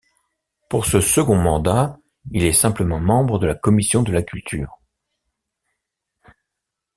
Pour ce second mandat, il est simplement membre de la commission de la Culture.